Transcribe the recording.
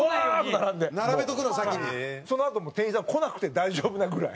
そのあともう店員さん来なくて大丈夫なぐらい。